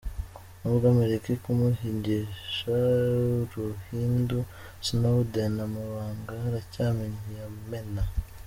Nubwo Amerika ikimuhigisha uruhindu, Snowden amabanga aracyayamena.